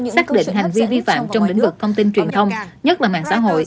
xác định hành vi vi phạm trong lĩnh vực thông tin truyền thông nhất là mạng xã hội